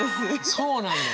そうなんだよ。